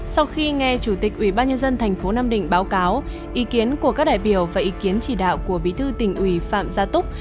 sau khi nghe chủ tịch ủy ban nhân dân thành phố nam định báo cáo ý kiến của các đại biểu và ý kiến chỉ đạo của bí thư tỉnh ủy phạm gia túc